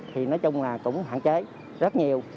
thì nói chung là cũng hạn chế rất nhiều